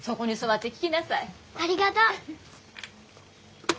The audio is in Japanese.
ありがとう。